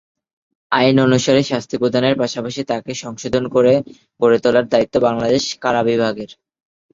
আইন অনুসারে শাস্তি প্রদানের পাশাপাশি তাকে সংশোধন করে গড়ে তোলার দায়িত্ব বাংলাদেশ কারা বিভাগের।